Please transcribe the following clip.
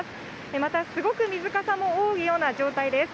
また、すごく水かさも多いような状態です。